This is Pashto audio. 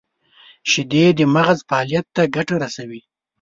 • شیدې د مغز فعالیت ته ګټه رسوي.